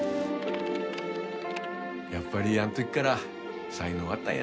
やっぱりあん時から才能あったんやね。